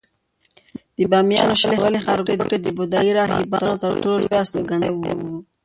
د بامیانو شاولې ښارګوټی د بودایي راهبانو تر ټولو لوی استوګنځای و